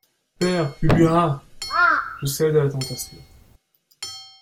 Père Ubu Ah ! je cède à la tentation.